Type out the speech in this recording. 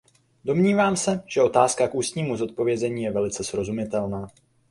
Domnívám se, že otázka k ústnímu zodpovězení je velice srozumitelná.